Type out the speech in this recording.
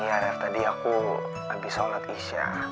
iya rev tadi aku abis sholat isya